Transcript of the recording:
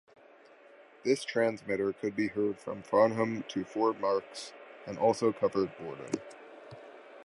This transmitter could be heard from Farnham to Four Marks and also covered Bordon.